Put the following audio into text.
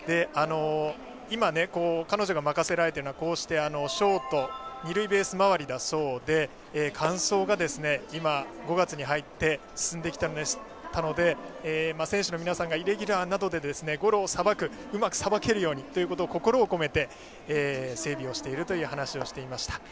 今、彼女が任せられているのはショート二塁ベース周りだそうで乾燥が今、５月に入って進んできたので、選手の皆さんがイレギュラーなどでゴロをうまくさばけるように心を込めて整備をしているという話をしていました。